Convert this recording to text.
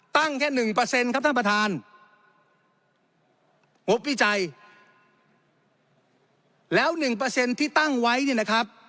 ตั้งแค่๑ครับท่านประธานงบพิจัยแล้ว๑ที่ตั้งไว้เนี่ยนะครับ